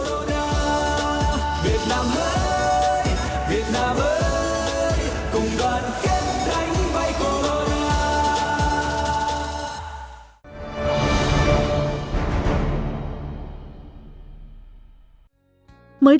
việt nam ơi việt nam ơi cùng đoàn kết đánh bày covid một mươi chín